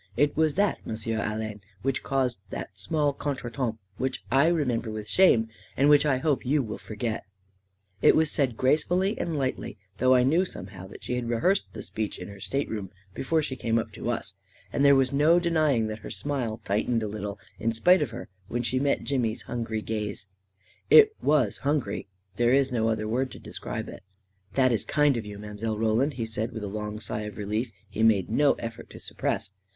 It was that, M*sieu Allen, which caused that small con tretemps — which I remember with shame, and which I hope you will forget 1 " It was said gracefully and lightly, though I knew somehow that she had rehearsed the speech in her stateroom before she came up to us; and there was A KING IN BABYLON 73 no denying that her smile tightened a little, in spite of her, when she met Jimmy's hungry gaze. It was hungry — there is no other word to describe it " That is kind of you, Mile. Roland," he said, with a long sigh of relief he made no effort to sup* press.